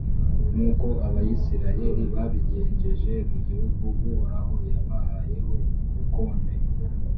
nk’uko abayisraheli babigenjeje mu gihugu uhoraho yabahayeho ubukonde.